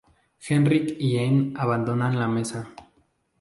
Henrik y Anne abandonan la mesa.